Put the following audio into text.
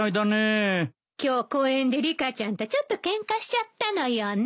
今日公園でリカちゃんとちょっとケンカしちゃったのよね。